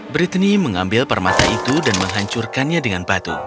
brittany mengambil permasa itu dan menghancurkannya dengan batu